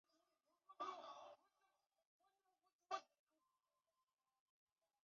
列宁圈子是意大利的一个已不存在的共产主义政党。